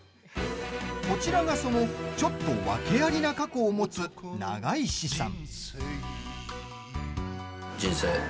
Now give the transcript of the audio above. こちらがそのちょっと訳ありな過去を持つ永石さん。